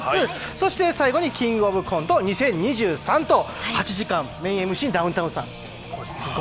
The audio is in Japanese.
そして最後に「キングオブコント２０２３」と８時間、メインＭＣ、ダウンタウンさん。